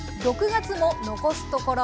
６月も残すところ